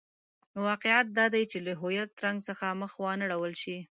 نو واقعیت دادی چې له هویت رنګ څخه مخ وانه ړول شي.